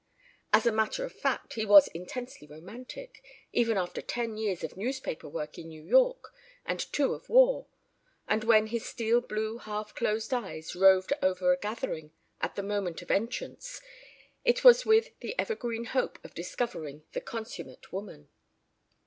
As a matter of fact, he was intensely romantic, even after ten years of newspaper work in New York and two of war; and when his steel blue half closed eyes roved over a gathering at the moment of entrance it was with the evergreen hope of discovering the consummate woman.